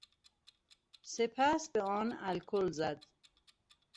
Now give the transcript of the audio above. سپس به آن الکل زد.